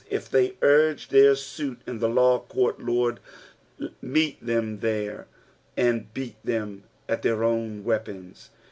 If thejr urge their suit in the law court, Lord, meet them there, and beat them at their own weapons.